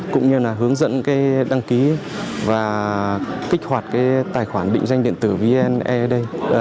cũng như là hướng dẫn đăng ký và kích hoạt tài khoản định danh điện tử vne ở đây